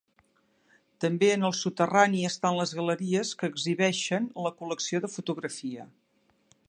També en el soterrani estan les galeries que exhibeixen la col·lecció de fotografia.